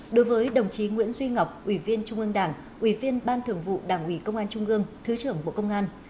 đối với đồng chí nguyễn duy ngọc ủy viên trung ương đảng ủy viên ban thường vụ đảng ủy công an trung ương thứ trưởng bộ công an